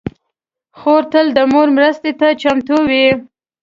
خور تل د مور مرستې ته چمتو وي.